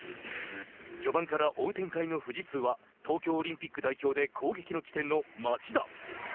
序盤から追う展開の富士通は東京オリンピック代表で攻撃の起点の町田。